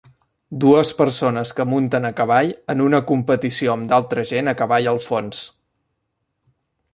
Dues persones que munten a cavall en una competició amb d'altra gent a cavall al fons.